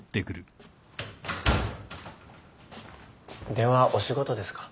電話お仕事ですか？